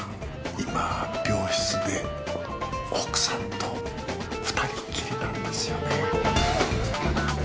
今病室で奥さんと二人っきりなんですよね？